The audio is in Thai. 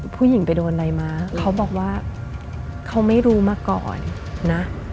ผู้หญิงไปโดนอะไรมาเขาบอกว่าเขาไม่รู้มาก่อนนะ